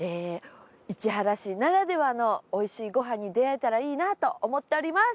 市原市ならではのおいしいご飯に出会えたらいいなと思っております。